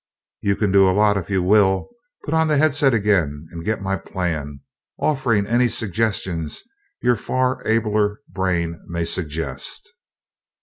"You can do a lot if you will. Put on that headset again and get my plan, offering any suggestions your far abler brain may suggest."